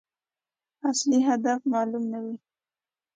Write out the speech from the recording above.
اصلي هدف معلوم نه وي.